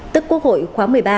tức quốc hội khóa một mươi ba